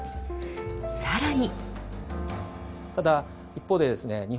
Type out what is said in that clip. さらに。